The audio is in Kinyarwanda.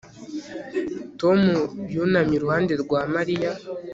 Tom yunamye iruhande rwa Mariya